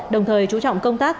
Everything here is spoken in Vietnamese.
đồng thời chú trọng công tác